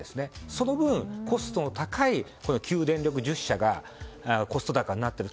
その分コストの高い旧電力１０社がコスト高になってる。